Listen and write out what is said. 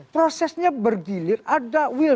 prosesnya bergilir ada will